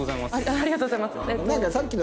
ありがとうございます。